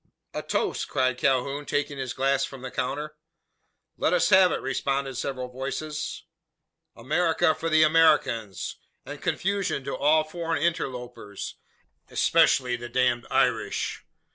"A toast!" cried Calhoun, taking his glass from the counter. "Let us have it!" responded several voices. "America for the Americans, and confusion to all foreign interlopers especially the damned Irish!"